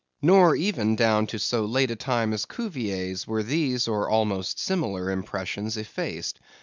Nor even down to so late a time as Cuvier's, were these or almost similar impressions effaced.